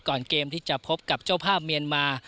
เกมที่จะพบกับเจ้าภาพเมียนมา